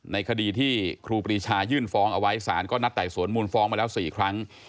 ในคดีที่ครูปรีชายื่นฟ้องเอาไว้สารก็นัดไต่สวนมูลฟ้องมาแล้ว๔ครั้ง